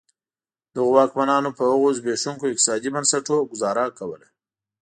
دغو واکمنانو په هغه زبېښونکو اقتصادي بنسټونو ګوزاره کوله.